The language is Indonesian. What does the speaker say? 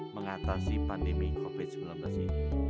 mengatasi pandemi covid sembilan belas ini